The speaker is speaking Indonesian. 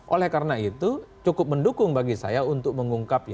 oleh karena itu cukup mendukung bagi saya untuk mengungkapnya